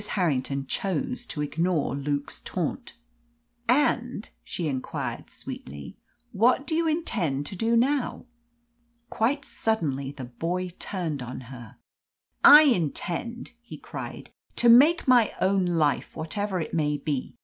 Harrington chose to ignore Luke's taunt. "And," she inquired sweetly, "what do you intend to do now?" Quite suddenly the boy turned on her. "I intend," he cried, "to make my own life whatever it may be.